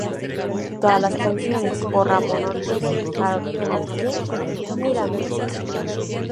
Todas las canciones por Ramón Ortiz y Harold Hopkins Miranda.